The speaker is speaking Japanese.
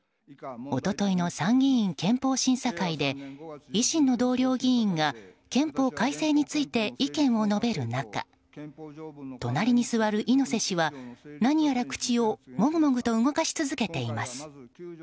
一昨日の参議院憲法審査会で維新の同僚議員が憲法改正について意見を述べる中隣に座る猪瀬氏は何やら口をモグモグと動かし続けています。